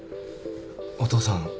お父さん